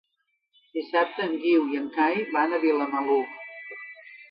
Dissabte en Guiu i en Cai van a Vilamalur.